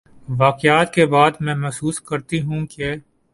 واقعات کے بعد میں محسوس کرتی ہوں کہ